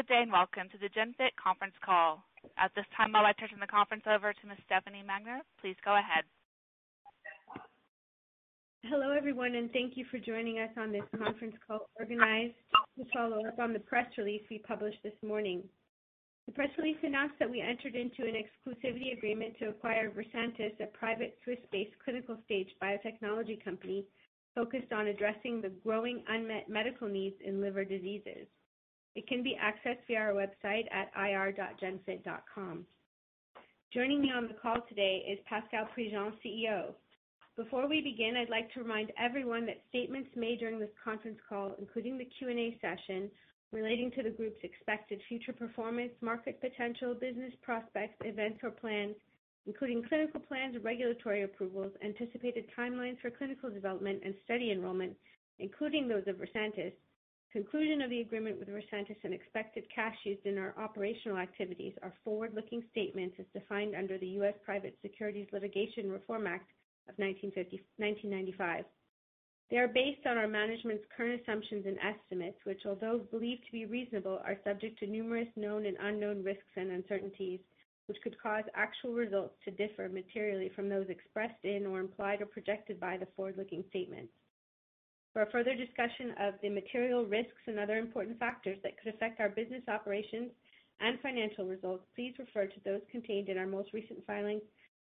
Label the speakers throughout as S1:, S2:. S1: Good day, and welcome to the GENFIT conference call. At this time, I'll be turning the conference over to Ms. Stefanie Magner. Please go ahead.
S2: Hello, everyone, and thank you for joining us on this conference call organized to follow up on the press release we published this morning. The press release announced that we entered into an exclusivity agreement to acquire Versantis, a private Swiss-based clinical stage biotechnology company focused on addressing the growing unmet medical needs in liver diseases. It can be accessed via our website at ir.genfit.com. Joining me on the call today is Pascal Prigent, CEO. Before we begin, I'd like to remind everyone that statements made during this conference call, including the Q&A session relating to the group's expected future performance, market potential, business prospects, events or plans, including clinical plans, regulatory approvals, anticipated timelines for clinical development and study enrollments, including those of Versantis, conclusion of the agreement with Versantis, and expected cash used in our operational activities are forward-looking statements as defined under the US Private Securities Litigation Reform Act of 1995. They are based on our management's current assumptions and estimates, which although believed to be reasonable, are subject to numerous known and unknown risks and uncertainties, which could cause actual results to differ materially from those expressed in or implied or projected by the forward-looking statements. For a further discussion of the material risks and other important factors that could affect our business operations and financial results, please refer to those contained in our most recent filings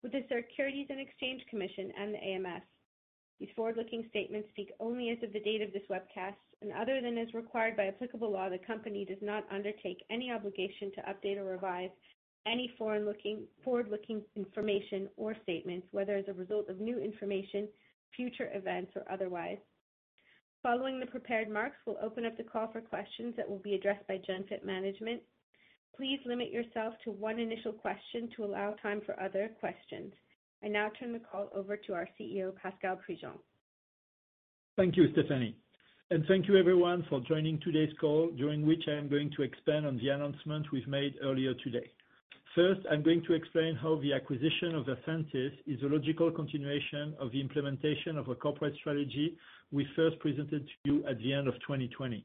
S2: with the Securities and Exchange Commission and the AMF. These forward-looking statements speak only as of the date of this webcast. Other than is required by applicable law, the company does not undertake any obligation to update or revise any forward-looking information or statements, whether as a result of new information, future events, or otherwise. Following the prepared remarks, we'll open up the call for questions that will be addressed by GENFIT management. Please limit yourself to one initial question to allow time for other questions. I now turn the call over to our CEO, Pascal Prigent.
S3: Thank you, Stephanie, and thank you everyone for joining today's call, during which I am going to expand on the announcement we've made earlier today. First, I'm going to explain how the acquisition of Versantis is a logical continuation of the implementation of a corporate strategy we first presented to you at the end of 2020.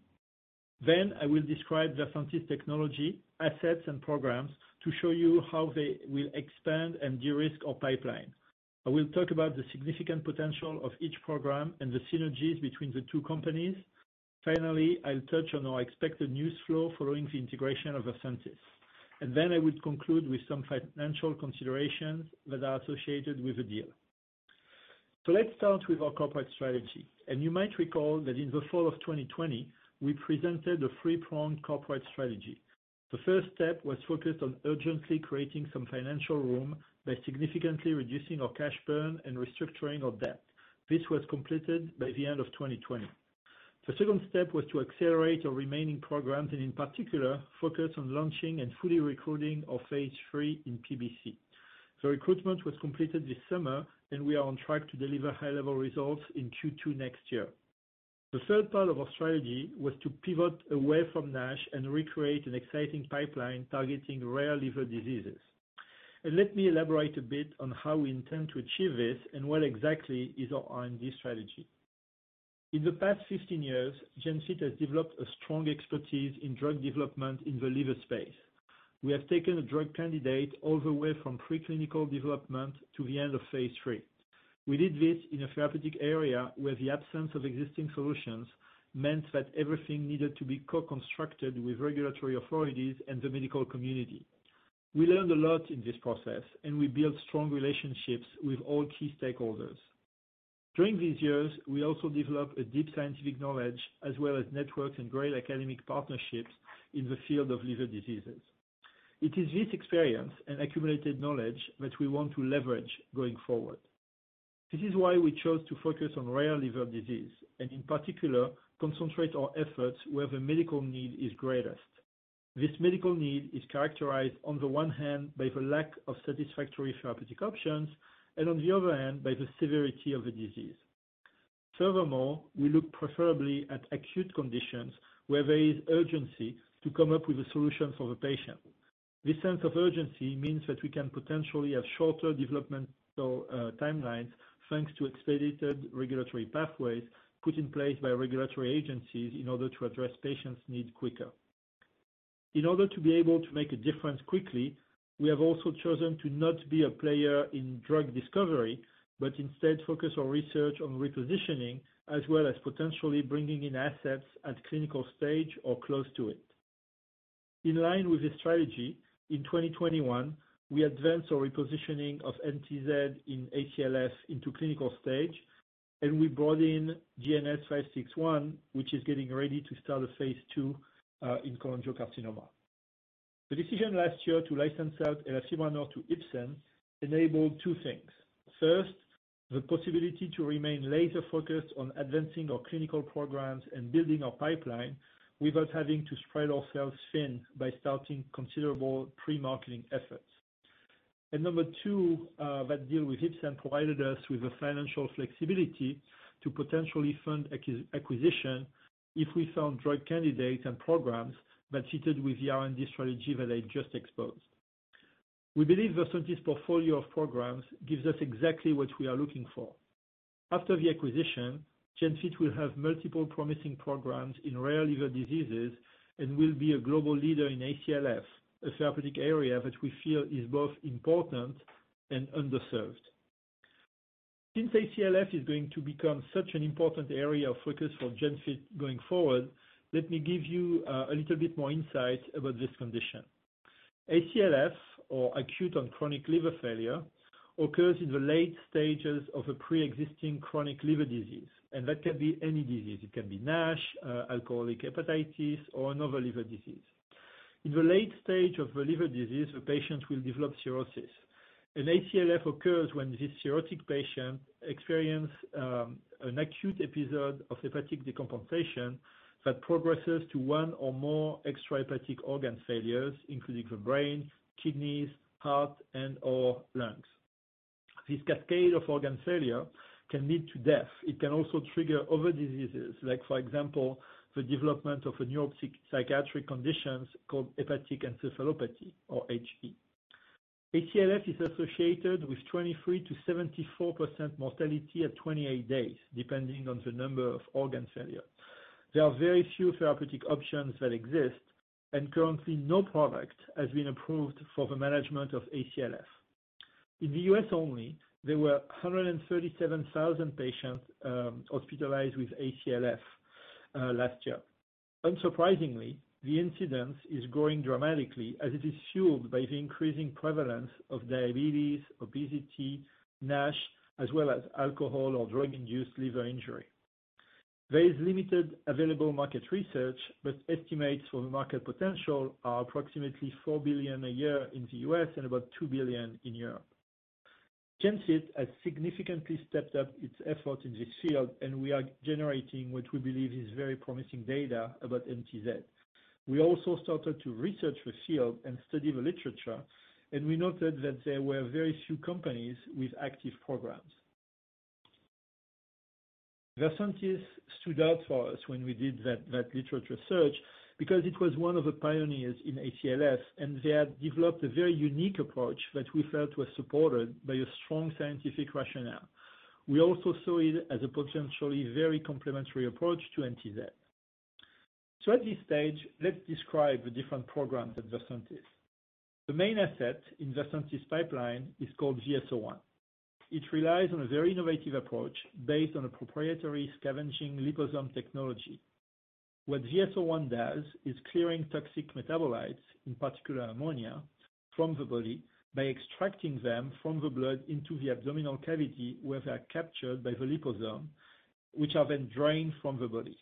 S3: Then I will describe Versantis technology, assets, and programs to show you how they will expand and de-risk our pipeline. I will talk about the significant potential of each program and the synergies between the two companies. Finally, I'll touch on our expected news flow following the integration of Versantis, and then I would conclude with some financial considerations that are associated with the deal. Let's start with our corporate strategy. You might recall that in the fall of 2020, we presented a three-pronged corporate strategy. The first step was focused on urgently creating some financial room by significantly reducing our cash burn and restructuring our debt. This was completed by the end of 2020. The second step was to accelerate our remaining programs, and in particular focus on launching and fully recruiting our phase 3 in PBC. The recruitment was completed this summer, and we are on track to deliver high-level results in Q2 next year. The third part of our strategy was to pivot away from NASH and recreate an exciting pipeline targeting rare liver diseases. Let me elaborate a bit on how we intend to achieve this and what exactly is our R&D strategy. In the past 15 years, GENFIT has developed a strong expertise in drug development in the liver space. We have taken a drug candidate all the way from pre-clinical development to the end of phase 3. We did this in a therapeutic area where the absence of existing solutions meant that everything needed to be co-constructed with regulatory authorities and the medical community. We learned a lot in this process, and we built strong relationships with all key stakeholders. During these years, we also developed a deep scientific knowledge as well as networks and great academic partnerships in the field of liver diseases. It is this experience and accumulated knowledge that we want to leverage going forward. This is why we chose to focus on rare liver disease and in particular concentrate our efforts where the medical need is greatest. This medical need is characterized on the one hand by the lack of satisfactory therapeutic options and on the other hand by the severity of the disease. Furthermore, we look preferably at acute conditions where there is urgency to come up with a solution for the patient. This sense of urgency means that we can potentially have shorter developmental timelines, thanks to expedited regulatory pathways put in place by regulatory agencies in order to address patients' needs quicker. In order to be able to make a difference quickly, we have also chosen to not be a player in drug discovery, but instead focus our research on repositioning as well as potentially bringing in assets at clinical stage or close to it. In line with this strategy, in 2021, we advanced our repositioning of NTZ in ACLF into clinical stage, and we brought in GNS561, which is getting ready to start a phase 2 in cholangiocarcinoma. The decision last year to license out elafibranor to Ipsen enabled two things. First, the possibility to remain laser-focused on advancing our clinical programs and building our pipeline without having to spread ourselves thin by starting considerable pre-marketing efforts. Number two, that deal with Ipsen provided us with the financial flexibility to potentially fund acquisition if we found drug candidates and programs that fitted with the R&D strategy that I just exposed. We believe Versantis portfolio of programs gives us exactly what we are looking for. After the acquisition, GENFIT will have multiple promising programs in rare liver diseases and will be a global leader in ACLF, a therapeutic area that we feel is both important and underserved. Since ACLF is going to become such an important area of focus for GENFIT going forward, let me give you a little bit more insight about this condition. ACLF or acute on chronic liver failure occurs in the late stages of a pre-existing chronic liver disease, and that can be any disease. It can be NASH, alcoholic hepatitis or another liver disease. In the late stage of the liver disease, the patient will develop cirrhosis. An ACLF occurs when this cirrhotic patient experience an acute episode of hepatic decompensation that progresses to one or more extrahepatic organ failures, including the brain, kidneys, heart, and/or lungs. This cascade of organ failure can lead to death. It can also trigger other diseases like, for example, the development of a neuropsychiatric conditions called hepatic encephalopathy or HE. ACLF is associated with 23%-74% mortality at 28 days, depending on the number of organ failure. There are very few therapeutic options that exist, and currently no product has been approved for the management of ACLF. In the US only, there were 137,000 patients hospitalized with ACLF last year. Unsurprisingly, the incidence is growing dramatically as it is fueled by the increasing prevalence of diabetes, obesity, NASH, as well as alcohol or drug-induced liver injury. There is limited available market research, but estimates for the market potential are approximately $4 billion a year in the US and about 2 billion in Europe. GENFIT has significantly stepped up its effort in this field, and we are generating what we believe is very promising data about NTZ. We also started to research the field and study the literature, and we noted that there were very few companies with active programs. Versantis stood out for us when we did that literature search because it was one of the pioneers in ACLF, and they had developed a very unique approach that we felt was supported by a strong scientific rationale. We also saw it as a potentially very complementary approach to NTZ. At this stage, let's describe the different programs at Versantis. The main asset in Versantis pipeline is called VS-01. It relies on a very innovative approach based on a proprietary scavenging liposomes technology. What VS-01 does is clearing toxic metabolites, in particular ammonia, from the body by extracting them from the blood into the abdominal cavity, where they are captured by the liposomes, which are then drained from the body.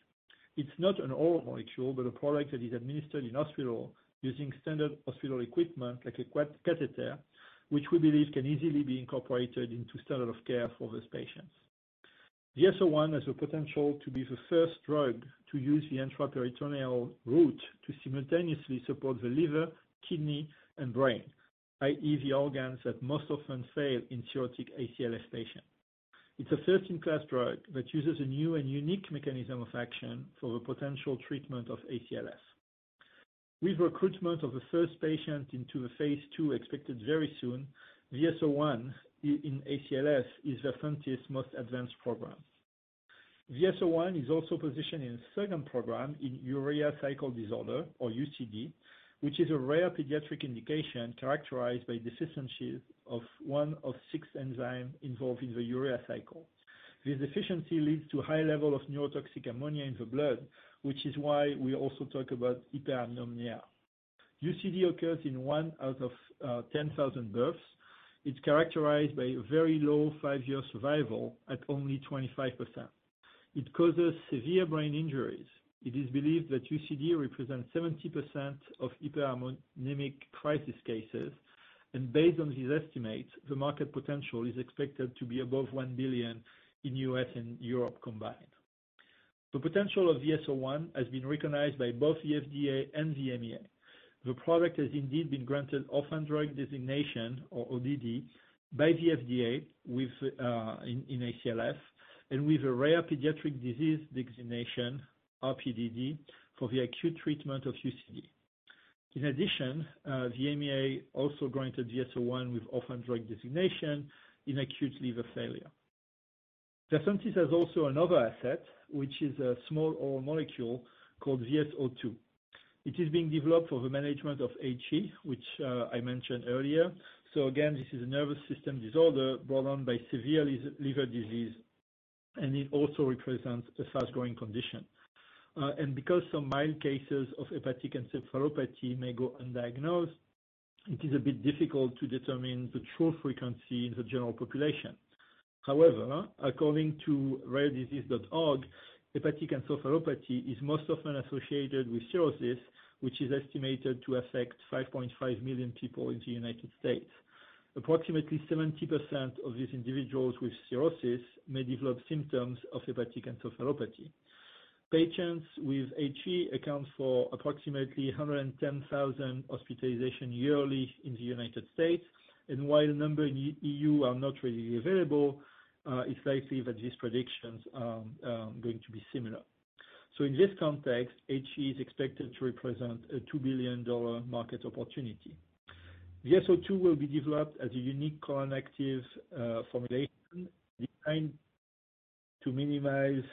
S3: It's not an oral molecule, but a product that is administered in hospital using standard hospital equipment like a catheter, which we believe can easily be incorporated into standard of care for these patients. VS-01 has the potential to be the first drug to use the intraperitoneal route to simultaneously support the liver, kidney, and brain, i.e., the organs that most often fail in cirrhotic ACLF patient. It's a first-in-class drug that uses a new and unique mechanism of action for the potential treatment of ACLF. With recruitment of the first patient into the phase 2 expected very soon, VS-01 in ACLF is Versantis most advanced program. VS-01 is also positioned in a second program in urea cycle disorder or UCD, which is a rare pediatric indication characterized by deficiency of one of six enzymes involved in the urea cycle. This deficiency leads to high level of neurotoxic ammonia in the blood, which is why we also talk about hyperammonemia. UCD occurs in one out of 10,000 births. It's characterized by a very low five-year survival at only 25%. It causes severe brain injuries. It is believed that UCD represents 70% of hyperammonemic crisis cases, and based on these estimates, the market potential is expected to be above $1 billion in U.S. and Europe combined. The potential of VS-01 has been recognized by both the FDA and the EMA. The product has indeed been granted Orphan Drug Designation or ODD by the FDA in ACLF and with a Rare Pediatric Disease Designation, RPDD, for the acute treatment of UCD. In addition, the EMA also granted VS-01 with Orphan Drug Designation in acute liver failure. Versantis has also another asset, which is a small oral molecule called VS-02. It is being developed for the management of HE, which I mentioned earlier. Again, this is a nervous system disorder brought on by severe liver disease, and it also represents a fast-growing condition. And because some mild cases of hepatic encephalopathy may go undiagnosed, it is a bit difficult to determine the true frequency in the general population. However, according to rarediseases.org, hepatic encephalopathy is most often associated with cirrhosis, which is estimated to affect 5.5 million people in the United States. Approximately 70% of these individuals with cirrhosis may develop symptoms of hepatic encephalopathy. Patients with HE account for approximately 110,000 hospitalizations yearly in the United States. While the number in EU are not readily available, it's likely that these predictions are going to be similar. In this context, HE is expected to represent a $2 billion market opportunity. VS-02 will be developed as a unique colon-active formulation designed to minimize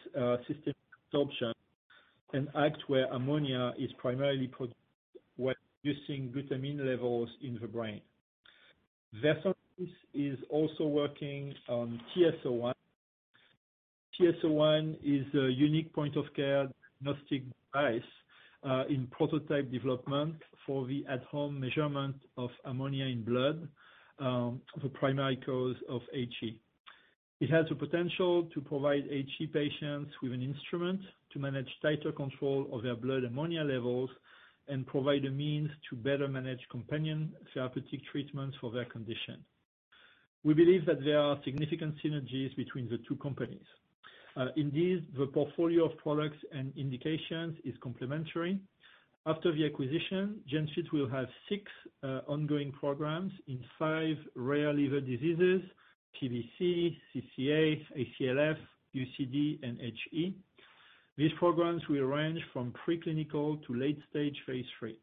S3: systemic absorption and act where ammonia is primarily produced while reducing glutamine levels in the brain. Versantis is also working on TS-01. TS-01 is a unique point-of-care diagnostic device in prototype development for the at-home measurement of ammonia in blood, the primary cause of HE. It has the potential to provide HE patients with an instrument to manage tighter control of their blood ammonia levels and provide a means to better manage companion therapeutic treatments for their condition. We believe that there are significant synergies between the two companies. Indeed, the portfolio of products and indications is complementary. After the acquisition, GENFIT will have 6 ongoing programs in 5 rare liver diseases, PBC, CCA, ACLF, UCD, and HE. These programs will range from preclinical to late-stage phase 3.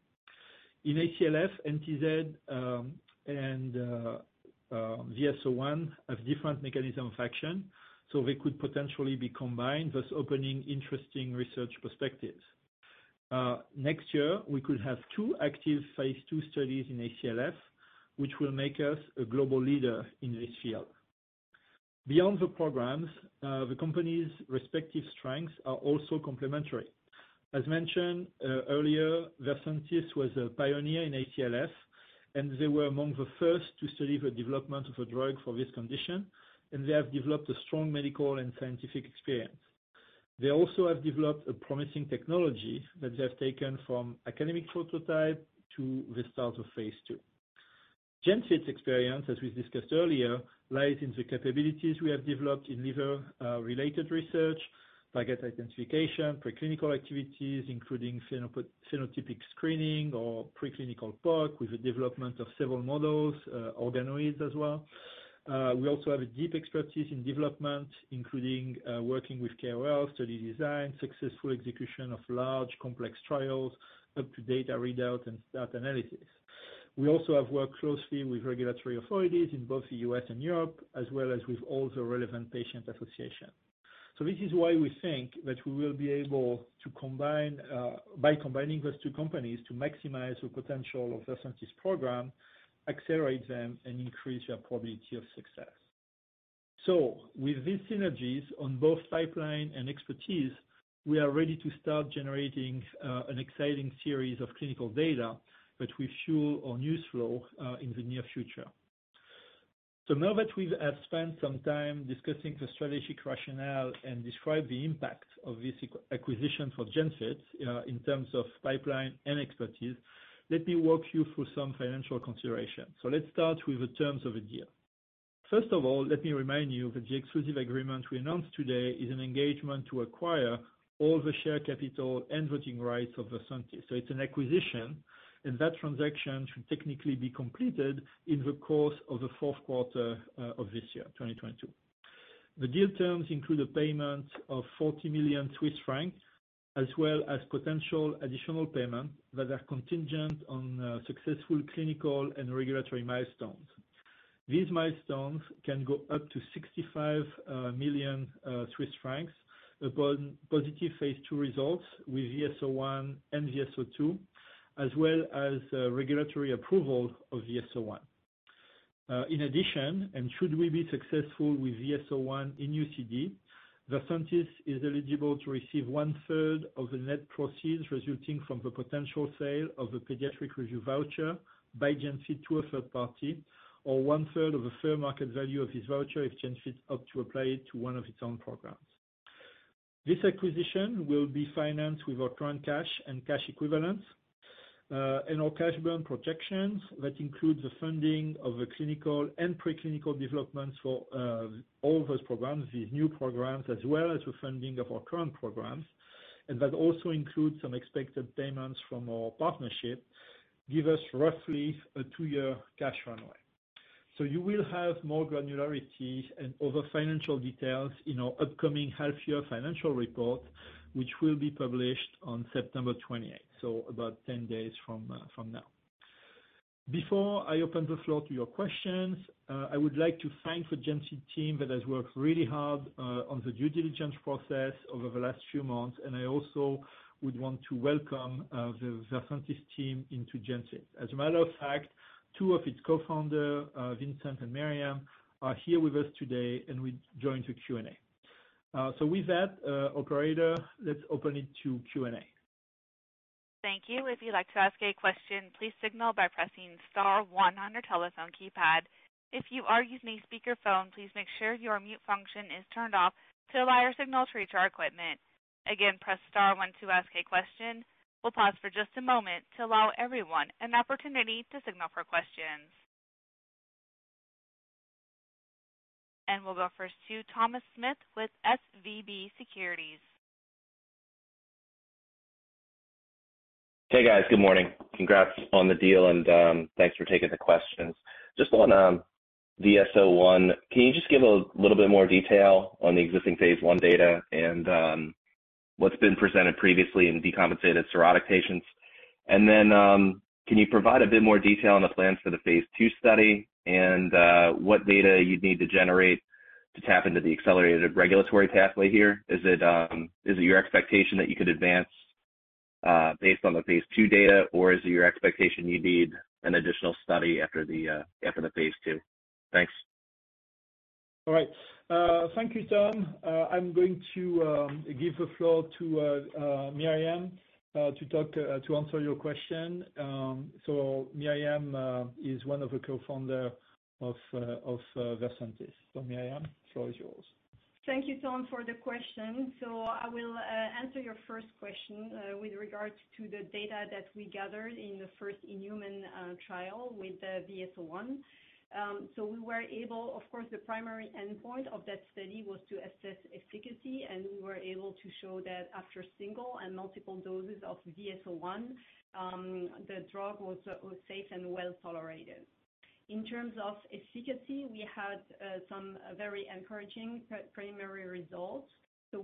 S3: In ACLF, NTZ and VS-01 have different mechanism of action, so they could potentially be combined, thus opening interesting research perspectives. Next year we could have 2 active phase 2 studies in ACLF, which will make us a global leader in this field. Beyond the programs, the company's respective strengths are also complementary. As mentioned earlier, Versantis was a pioneer in ACLF, and they were among the first to study the development of a drug for this condition, and they have developed a strong medical and scientific experience. They also have developed a promising technology that they have taken from academic prototype to the start of phase 2. GENFIT's experience, as we discussed earlier, lies in the capabilities we have developed in liver related research, target identification, pre-clinical activities, including phenotypic screening or preclinical POC with the development of several models, organoids as well. We also have a deep expertise in development, including working with KOL, study design, successful execution of large complex trials up to data readout and stat analysis. We also have worked closely with regulatory authorities in both the U.S. and Europe, as well as with all the relevant patient association. This is why we think that we will be able to combine, by combining those two companies, to maximize the potential of Versantis program, accelerate them, and increase their probability of success. With these synergies on both pipeline and expertise, we are ready to start generating an exciting series of clinical data that will fuel our news flow in the near future. Now that we have spent some time discussing the strategic rationale and described the impact of this acquisition for GENFIT in terms of pipeline and expertise, let me walk you through some financial consideration. Let's start with the terms of the deal. First of all, let me remind you that the exclusive agreement we announced today is an engagement to acquire all the share capital and voting rights of Versantis. It's an acquisition, and that transaction should technically be completed in the course of the fourth quarter of this year, 2022. The deal terms include a payment of 40 million Swiss francs, as well as potential additional payments that are contingent on successful clinical and regulatory milestones. These milestones can go up to 65 million Swiss francs upon positive phase 2 results with VS01 and VS02, as well as regulatory approval of VS01. In addition, and should we be successful with VS01 in UCD, Versantis is eligible to receive one-third of the net proceeds resulting from the potential sale of a pediatric review voucher by GENFIT to a third party, or one-third of the fair market value of this voucher if GENFIT opt to apply it to one of its own programs. This acquisition will be financed with our current cash and cash equivalents. Our cash burn projections that include the funding of the clinical and pre-clinical developments for all those programs, these new programs, as well as the funding of our current programs. That also includes some expected payments from our partnership give us roughly a two-year cash runway. You will have more granularity and other financial details in our upcoming half year financial report, which will be published on September twenty-eighth. About 10 days from now. Before I open the floor to your questions, I would like to thank the GENFIT team that has worked really hard on the due diligence process over the last few months. I also would want to welcome the Versantis team into GENFIT. As a matter of fact, two of its co-founders, Vincent and Meriam, are here with us today and will join the Q&A. With that, operator, let's open it to Q&A.
S1: Thank you. If you'd like to ask a question, please signal by pressing star one on your telephone keypad. If you are using a speaker phone, please make sure your mute function is turned off to allow your signal to reach our equipment. Again, press star one to ask a question. We'll pause for just a moment to allow everyone an opportunity to signal for questions. We'll go first to Thomas Smith with SVB Securities.
S4: Hey guys. Good morning. Congrats on the deal and, thanks for taking the questions. Just on, VS01, can you just give a little bit more detail on the existing phase one data and, what's been presented previously in decompensated cirrhotic patients? Then, can you provide a bit more detail on the plans for the phase two study and, what data you'd need to generate to tap into the accelerated regulatory pathway here? Is it your expectation that you could advance, based on the phase two data, or is it your expectation you'd need an additional study after the phase two? Thanks.
S3: All right. Thank you, Thomas. I'm going to give the floor to Meriam to answer your question. Meriam is one of the co-founder of Versantis. Meriam, floor is yours.
S5: Thank you, Tom, for the question. I will answer your first question with regards to the data that we gathered in the first in-human trial with the VS01. Of course, the primary endpoint of that study was to assess efficacy, and we were able to show that after single and multiple doses of VS01, the drug was safe and well-tolerated. In terms of efficacy, we had some very encouraging primary results.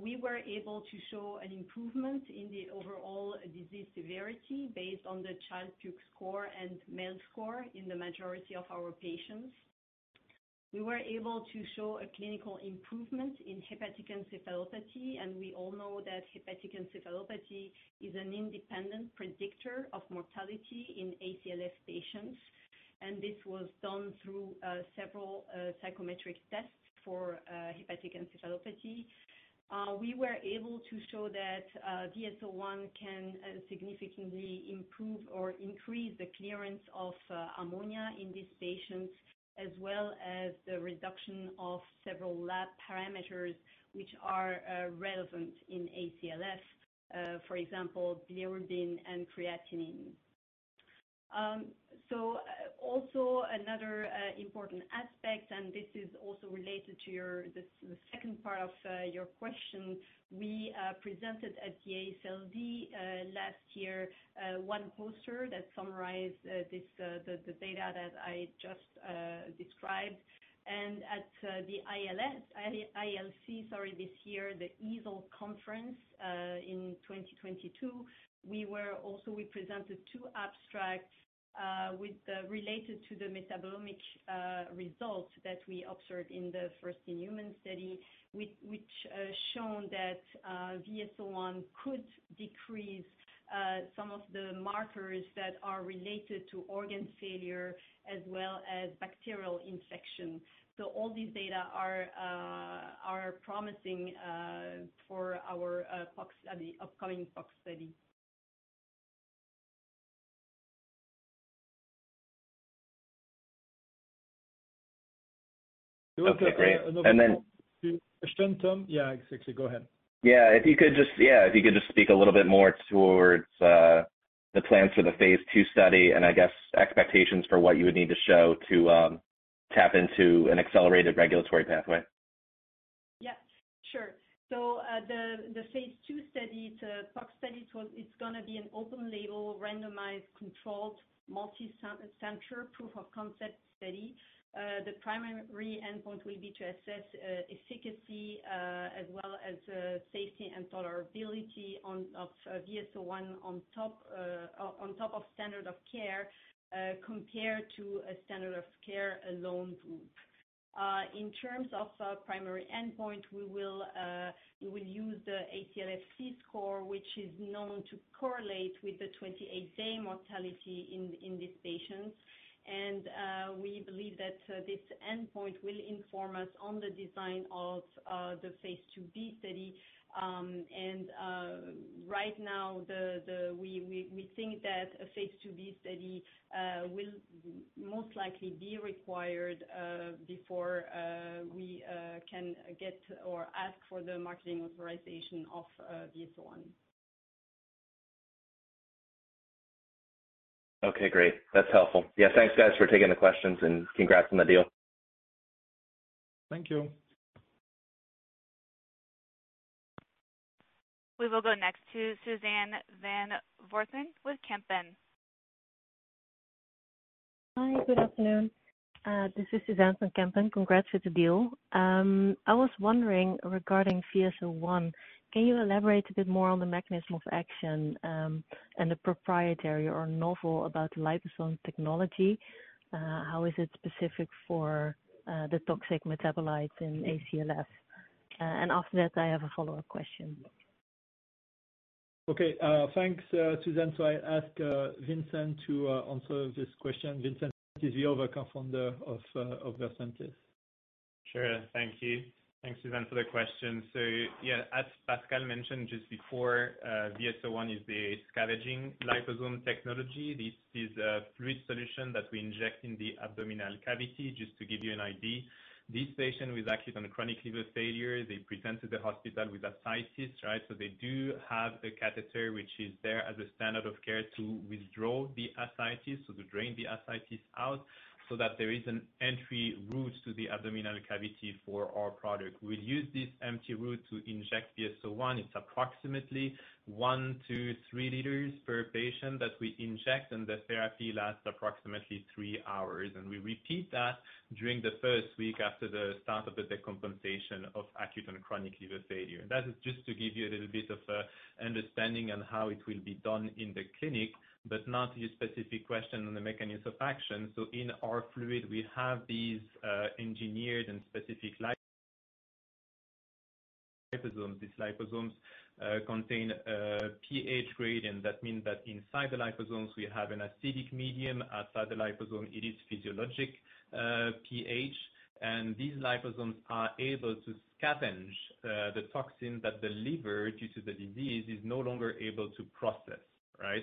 S5: We were able to show an improvement in the overall disease severity based on the Child-Pugh score and MELD score in the majority of our patients. We were able to show a clinical improvement in hepatic encephalopathy, and we all know that hepatic encephalopathy is an independent predictor of mortality in ACLF patients. This was done through several psychometric tests for hepatic encephalopathy. We were able to show that VS01 can significantly improve or increase the clearance of ammonia in these patients, as well as the reduction of several lab parameters which are relevant in ACLF, for example, bilirubin and creatinine. Another important aspect, and this is also related to the second part of your question. We presented at the AASLD last year one poster that summarized the data that I just described. At the ILC this year, the EASL conference in 2022, we presented two abstracts related to the metabolomic result that we observed in the first-in-human study, which shown that VS01 could decrease some of the markers that are related to organ failure as well as bacterial infection. All these data are promising for our POC at the upcoming POC study.
S4: Okay, great.
S3: You want to add another question, Tom? Yeah, actually, go ahead.
S4: Yeah, if you could just speak a little bit more toward the plans for the phase 2 study and I guess expectations for what you would need to show to tap into an accelerated regulatory pathway.
S5: Yeah, sure. The phase 2 study, it's a POC study. It's gonna be an open label, randomized, controlled, multi-center proof of concept study. The primary endpoint will be to assess efficacy, as well as safety and tolerability of VS01 on top of standard of care, compared to a standard of care alone group. In terms of our primary endpoint, we will use the CLIF-C ACLF score, which is known to correlate with the 28-day mortality in these patients. We believe that this endpoint will inform us on the design of the phase 2 B study. Right now, we think that a phase 2B study will most likely be required before we can get or ask for the marketing authorization of VS-01.
S4: Okay, great. That's helpful. Yeah, thanks guys for taking the questions and congrats on the deal.
S3: Thank you.
S1: We will go next to Suzanne van Voorthuizen with Kempen & Co.
S6: Hi. Good afternoon. This is Suzanne van Voorthuizen. Congrats with the deal. I was wondering, regarding VS01, can you elaborate a bit more on the mechanism of action, and the proprietary or novel about the liposome technology? How is it specific for the toxic metabolites in ACLF? After that, I have a follow-up question.
S3: Okay. Thanks, Suzanne. I'll ask Vincent to answer this question. Vincent is the other co-founder of Versantis.
S7: Sure. Thank you. Thanks, Suzanne, for the question. Yeah, as Pascal mentioned just before, VS01 is the scavenging liposomes technology. This is a fluid solution that we inject in the abdominal cavity, just to give you an idea. This patient with acute on chronic liver failure, they present to the hospital with ascites, right? They do have a catheter which is there as a standard of care to withdraw the ascites, so to drain the ascites out, so that there is an entry route to the abdominal cavity for our product. We'll use this empty route to inject VS01. It's approximately 1-3 liters per patient that we inject, and the therapy lasts approximately 3 hours. We repeat that during the first week after the start of the decompensation of acute on chronic liver failure. That is just to give you a little bit of understanding on how it will be done in the clinic, but now to your specific question on the mechanism of action. In our fluid, we have these engineered and specific liposomes. These liposomes contain a pH gradient. That mean that inside the liposomes, we have an acidic medium. Outside the liposome, it is physiologic pH. These liposomes are able to scavenge the toxin that the liver, due to the disease, is no longer able to process, right?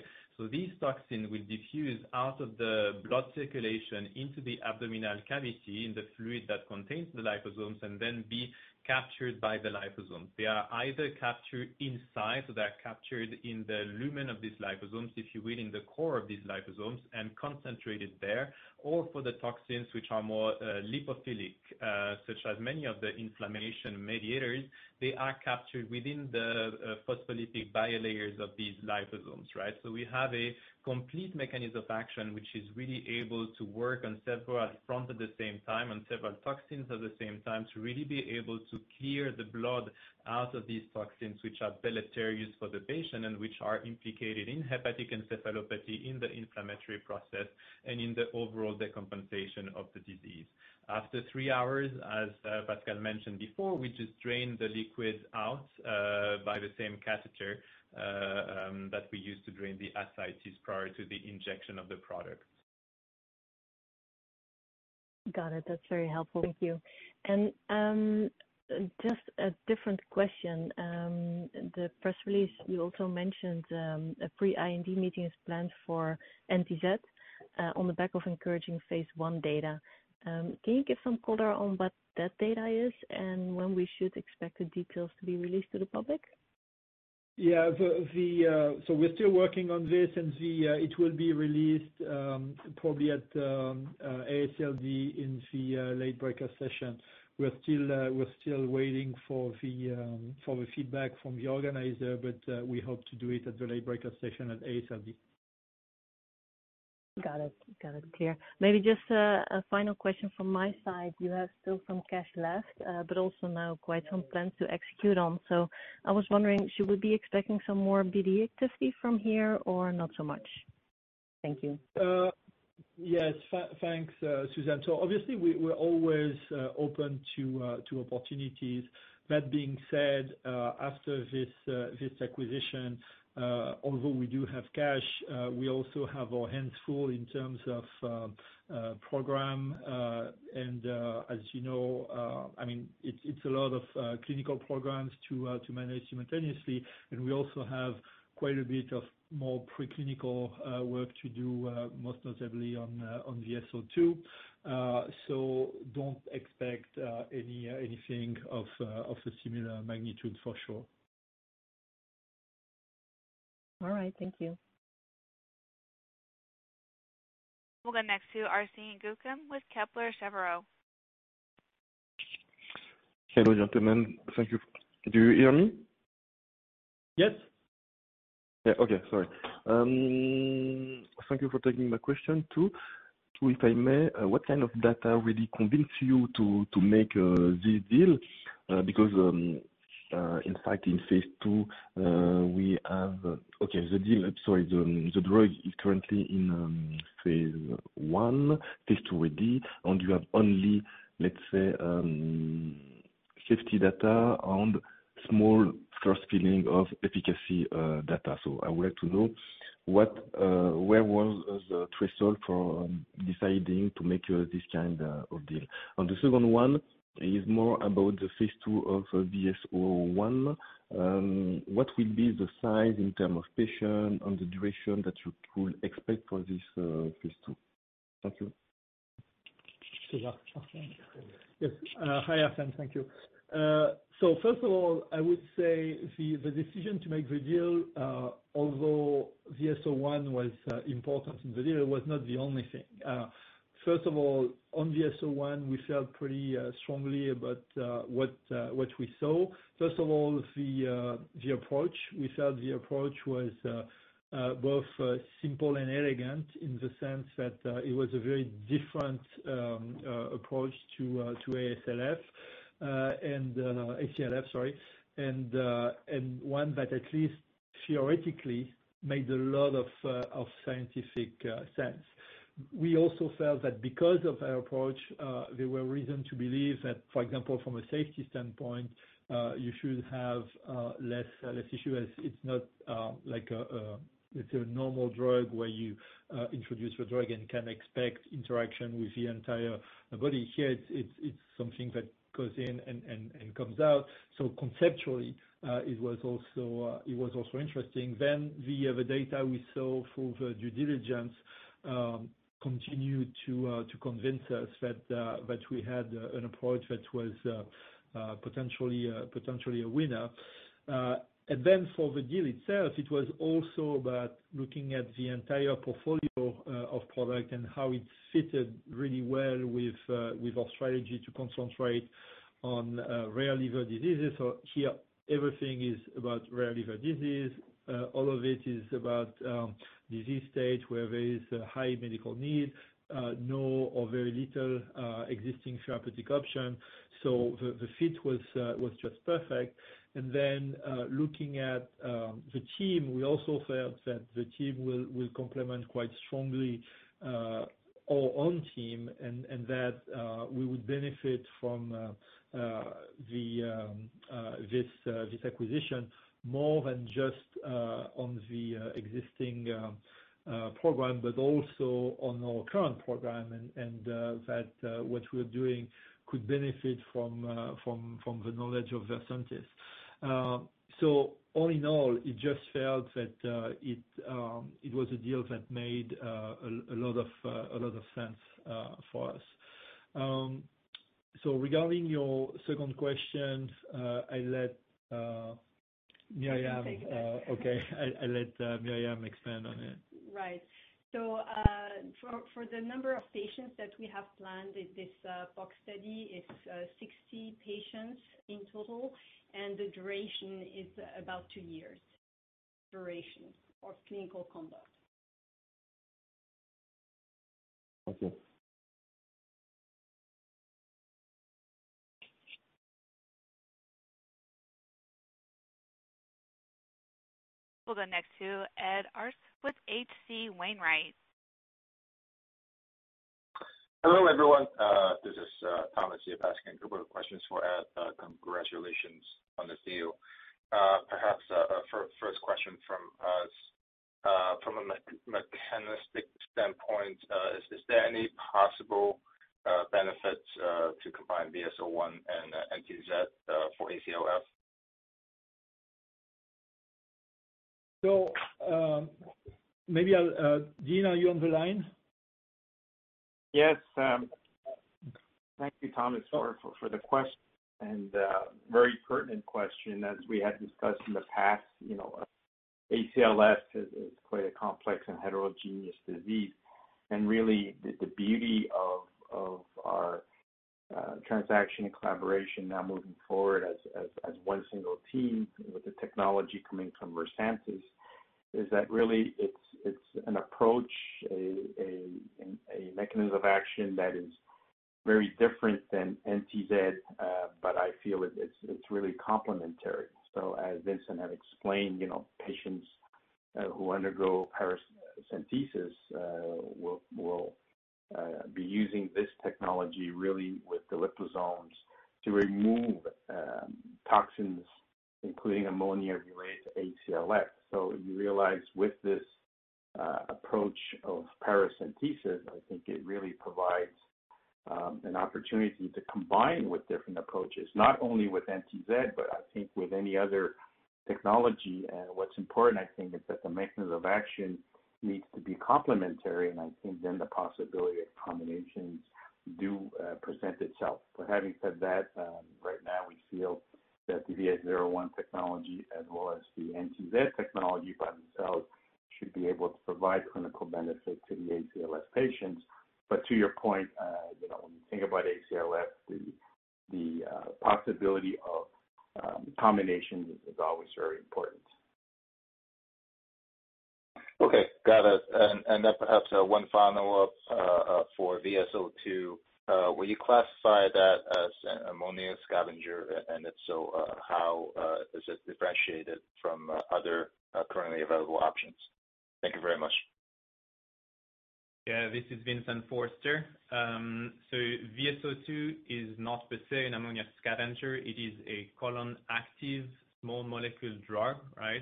S7: These toxin will diffuse out of the blood circulation into the abdominal cavity, in the fluid that contains the liposomes, and then be captured by the liposomes. They are either captured inside, so they are captured in the lumen of these liposomes, if you will, in the core of these liposomes and concentrated there. For the toxins which are more lipophilic, such as many of the inflammation mediators, they are captured within the phospholipid bilayers of these liposomes, right? We have a complete mechanism of action, which is really able to work on several fronts at the same time, on several toxins at the same time, to really be able to clear the blood out of these toxins, Which are deleterious for the patient and which are implicated in hepatic encephalopathy, in the inflammatory process, and in the overall decompensation of the disease. After three hours, as Pascal mentioned before, we just drain the liquid out by the same catheter that we use to drain the ascites prior to the injection of the product.
S6: Got it. That's very helpful. Thank you. Just a different question. The press release, you also mentioned, a pre-IND meeting is planned for NTZ, on the back of encouraging phase 1 data. Can you give some color on what that data is and when we should expect the details to be released to the public?
S3: We're still working on this, and it will be released probably at AASLD in the late-breaker session. We're still waiting for the feedback from the organizer, but we hope to do it at the late-breaker session at AASLD.
S6: Got it. Got it clear. Maybe just a final question from my side. You have still some cash left, but also now quite some plans to execute on. I was wondering, should we be expecting some more BD activity from here or not so much? Thank you.
S3: Thanks, Suzanne. Obviously we're always open to opportunities. That being said, after this acquisition, although we do have cash, we also have our hands full in terms of program. As you know, I mean, it's a lot of clinical programs to manage simultaneously. We also have quite a bit of more preclinical work to do, most notably on the VS-02. Don't expect anything of a similar magnitude for sure.
S6: All right. Thank you.
S1: We'll go next to Arsène Guekam with Kepler Cheuvreux.
S8: Hello, gentlemen. Thank you. Do you hear me?
S3: Yes.
S8: Yeah. Okay. Sorry. Thank you for taking my question too. If I may, what kind of data really convince you to make this deal? Because in fact, in phase 2, the deal, sorry. The drug is currently in phase 1, phase 2 already. And you have only, let's say, safety data and small first feeling of efficacy data. I would like to know what the threshold was for deciding to make this kind of deal. And the second one is more about the phase 2 of VS-01. What will be the size in terms of patients and the duration that you could expect for this phase 2? Thank you.
S3: Yes. Hi, Arsène. Thank you. First of all, I would say the decision to make the deal, although VS-01 was important in the deal, it was not the only thing. First of all, on VS-01, we felt pretty strongly about what we saw. First of all, the approach. We felt the approach was both simple and elegant in the sense that it was a very different approach to ACLF, and one that at least theoretically made a lot of scientific sense. We also felt that because of our approach, there were reason to believe that, for example, from a safety standpoint, you should have less issue as it's not like a, it's a normal drug where you introduce a drug and can expect interaction with the entire body. Here, it's something that goes in and comes out. Conceptually, it was also interesting. The data we saw through the due diligence continued to convince us that we had an approach that was potentially a winner. For the deal itself, it was also about looking at the entire portfolio of product and how it fit really well with our strategy to concentrate on rare liver diseases. Here, everything is about rare liver disease. All of it is about disease stage where there is a high medical need, no or very little existing therapeutic option. The fit was just perfect. Looking at the team, we also felt that the team will complement quite strongly our own team and that we would benefit from this acquisition more than just on the existing program, but also on our current program and that what we're doing could benefit from the knowledge of Versantis. All in all, it just felt that it was a deal that made a lot of sense for us. Regarding your second question, I let Meriam-
S5: I can take that.
S3: Okay. I let Meriam expand on it.
S5: Right. For the number of patients that we have planned in this POC study, it's 60 patients in total, and the duration is about 2 years. Duration of clinical conduct.
S3: Okay.
S1: We'll go next to Ed Arce with H.C. Wainwright.
S9: Hello, everyone. This is Thomas. I'm asking a couple of questions for Ed. Congratulations on this deal. Perhaps first question from us. From a mechanistic standpoint, is there any possible benefits to combine VS01 and NTZ for ACLF?
S3: Dean, are you on the line?
S10: Yes, thank you, Thomas, for the question and very pertinent question. As we had discussed in the past, you know, ACLF is quite a complex and heterogeneous disease. Really the beauty of our transaction and collaboration now moving forward as one single team with the technology coming from Versantis is that really it's really complementary. As Vincent had explained, you know, patients who undergo paracentesis will be using this technology really with the liposomes to remove toxins, including ammonia related to ACLF. You realize with this approach of paracentesis, I think it really provides an opportunity to combine with different approaches, not only with NTZ, but I think with any other technology. What's important, I think, is that the mechanism of action needs to be complementary, and I think then the possibility of combinations do present itself. Having said that, right now we feel that the VS01 technology as well as the NTZ technology by themselves should be able to provide clinical benefit to the ACLF patients. To your point, you know, when you think about ACLF, the possibility of combinations is always very important.
S9: Okay. Got it. Perhaps one follow-up for VS02. Will you classify that as an ammonia scavenger? And if so, how is it differentiated from other currently available options? Thank you very much.
S7: Yeah. This is Vincent Forster. VS02 is not per se an ammonia scavenger. It is a colon-active small molecule drug, right?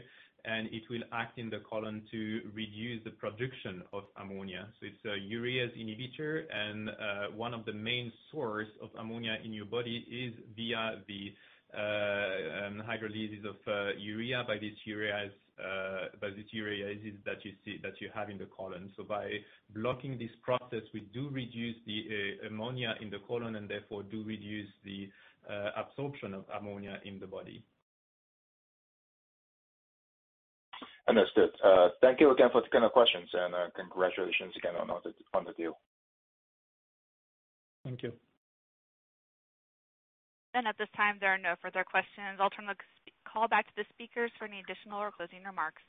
S7: It will act in the colon to reduce the production of ammonia. It's a urease inhibitor and one of the main source of ammonia in your body is via the hydrolysis of urea by this urease that you have in the colon. By blocking this process, we do reduce the ammonia in the colon and therefore do reduce the absorption of ammonia in the body.
S9: Understood. Thank you again for taking our questions and congratulations again on the deal.
S3: Thank you.
S1: At this time, there are no further questions. I'll turn the call back to the speakers for any additional or closing remarks.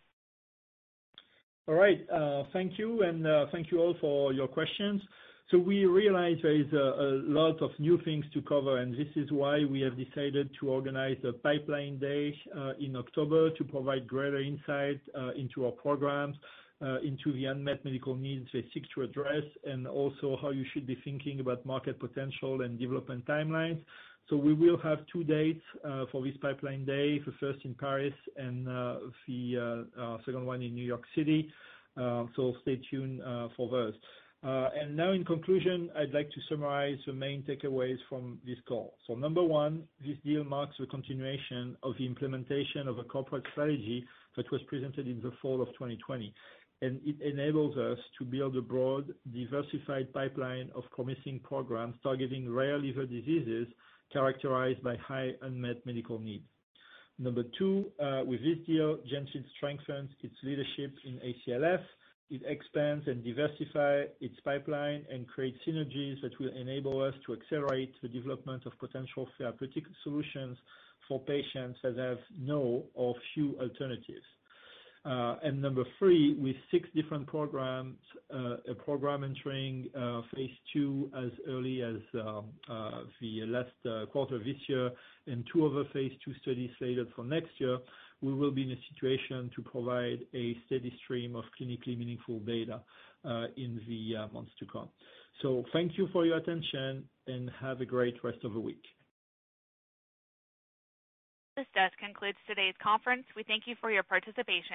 S3: All right. Thank you, and thank you all for your questions. We realize there is a lot of new things to cover, and this is why we have decided to organize a pipeline day in October to provide greater insight into our programs, into the unmet medical needs they seek to address, and also how you should be thinking about market potential and development timelines. We will have two dates for this pipeline day, the first in Paris and the second one in New York City. Stay tuned for those. Now in conclusion, I'd like to summarize the main takeaways from this call. Number one, this deal marks the continuation of the implementation of a corporate strategy that was presented in the fall of 2020. It enables us to build a broad, diversified pipeline of promising programs targeting rare liver diseases characterized by high unmet medical need. Number two, with this deal, GENFIT strengthens its leadership in ACLF. It expands and diversify its pipeline and creates synergies that will enable us to accelerate the development of potential therapeutic solutions for patients that have no or few alternatives. Number three, with six different programs, a program entering phase 2 as early as the last quarter of this year and two other phase 2 studies slated for next year, we will be in a situation to provide a steady stream of clinically meaningful data in the months to come. Thank you for your attention, and have a great rest of the week.
S1: This concludes today's conference. We thank you for your participation.